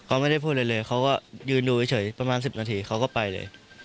เขาไม่ได้พูดอะไรเลยเขาก็ยืนดูเฉยประมาณ๑๐นาทีเขาก็ไปเลย